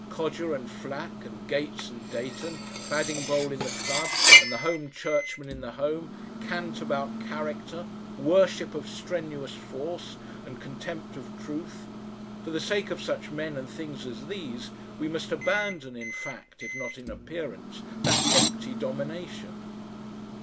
Codger and Flack, and Gates and Dayton, Cladingbowl in the club, and the HOME CHURCHMAN in the home, cant about "character," worship of strenuous force and contempt of truth; for the sake of such men and things as these, we must abandon in fact, if not in appearance, that empty domination.